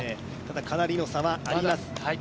かなりの差はあります。